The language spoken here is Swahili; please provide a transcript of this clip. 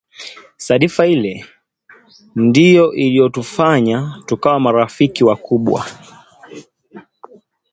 Sadfa ile, ndio iliyotufanya tukawa marafiki wakubwa